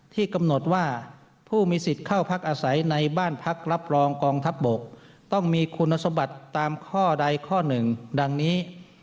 ที่กำหนดว่าผู้มีสิทธิ์เข้าพักอาศัยในบ้านพักรับรองกองทัพบกต้องมีคุณสมบัติตามข้อใดข้อหนึ่งดังนี้